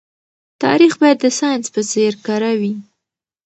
تاريخ بايد د ساينس په څېر کره وي.